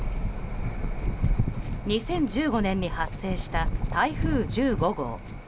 ２０１５年に発生した台風１５号。